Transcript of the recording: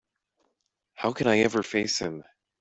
How can I ever face him?